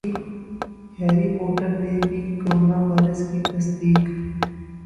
Harry Potter میں بھی corona virus کی تصدیق